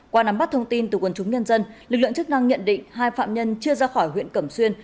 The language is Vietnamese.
qua nắm bắt thông tin từ quần chúng nhân dân lực lượng chức năng nhận định hai phạm nhân chưa ra khỏi huyện cẩm xuyên